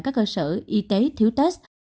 các cơ sở y tế thiếu test